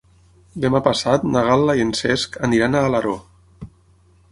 Demà passat na Gal·la i en Cesc aniran a Alaró.